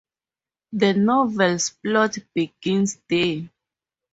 The novel's plot begins there.